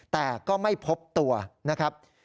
แต่ก็ไม่พบตัวนะครับ